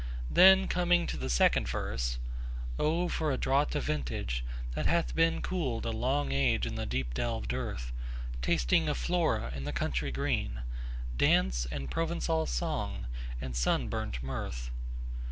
Then coming to the second verse, Oh for a draught of vintage, that hath been Cool'd a long age in the deep delved earth, Tasting of Flora and the country green, Dance, and Provencal song, and sunburnt mirth!